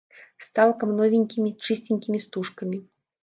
З цалкам новенькімі, чысценькімі стужкамі.